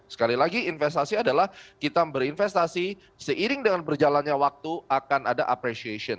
sekali lagi investasi adalah kita berinvestasi seiring dengan berjalannya waktu akan ada appreciation